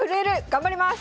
頑張ります。